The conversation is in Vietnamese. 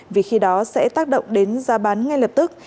vì khi đó sẽ tác động đến giá bán ngay lập tức